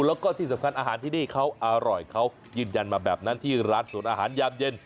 แล้วก็ที่สำคัญอาหารที่นี่เขาอร่อยเขายืนยันมาแบบนั้นที่ร้านสวนอาหารยามเย็น